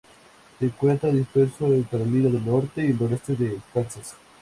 Se encuentra disperso en Carolina del Norte y el noreste de Kansas.